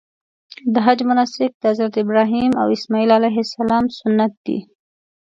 د حج مناسک د حضرت ابراهیم او اسماعیل سنت دي.